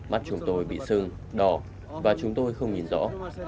mắt chúng tôi bị sưng đỏ và chúng tôi không nhìn rõ